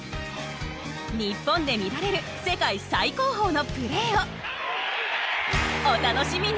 日本で見られる世界最高峰のプレーをお楽しみに！